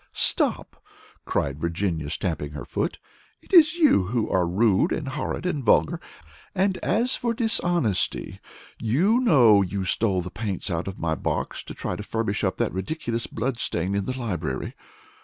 "Stop!" cried Virginia, stamping her foot, "it is you who are rude, and horrid, and vulgar, and as for dishonesty, you know you stole the paints out of my box to try and furbish up that ridiculous blood stain in the library.